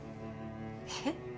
えっ！？